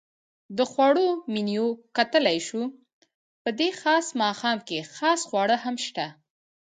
د خوړو منیو کتلای شو؟ په دې خاص ماښام کې خاص خواړه هم شته.